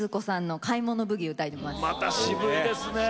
また渋いですね。